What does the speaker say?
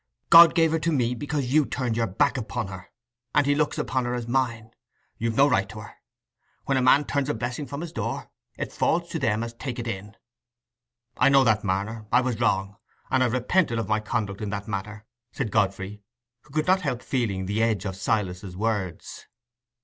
God gave her to me because you turned your back upon her, and He looks upon her as mine: you've no right to her! When a man turns a blessing from his door, it falls to them as take it in." "I know that, Marner. I was wrong. I've repented of my conduct in that matter," said Godfrey, who could not help feeling the edge of Silas's words.